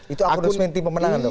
itu akun resmen tim pemenangan